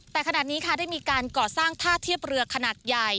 แต่ขณะนี้ค่ะได้มีการก่อสร้างท่าเทียบเรือขนาดใหญ่